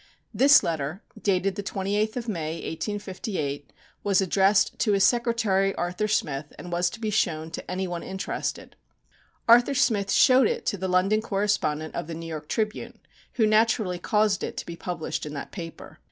This letter, dated the 28th of May, 1858, was addressed to his secretary, Arthur Smith, and was to be shown to any one interested. Arthur Smith showed it to the London correspondent of The New York Tribune, who naturally caused it to be published in that paper.